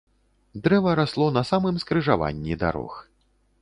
Дрэва расло на самым скрыжаванні дарог.